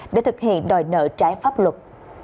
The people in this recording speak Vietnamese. để thực hiện đòi nợ trái pháp luật